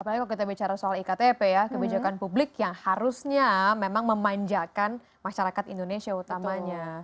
apalagi kalau kita bicara soal iktp ya kebijakan publik yang harusnya memang memanjakan masyarakat indonesia utamanya